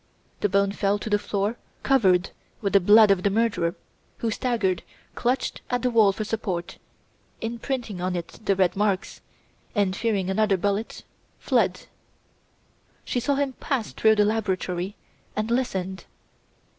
The bone fell to the floor covered with the blood of the murderer, who staggered, clutched at the wall for support imprinting on it the red marks and, fearing another bullet, fled. "She saw him pass through the laboratory, and listened.